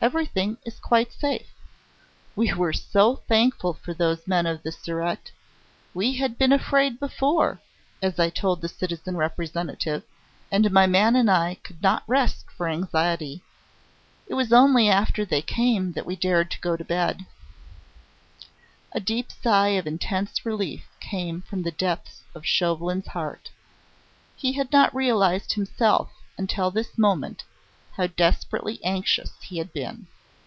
"Everything is quite safe. We were so thankful for those men of the Surete. We had been afraid before, as I told the citizen Representative, and my man and I could not rest for anxiety. It was only after they came that we dared go to bed." A deep sigh of intense relief came from the depths of Chauvelin's heart. He had not realised himself until this moment how desperately anxious he had been.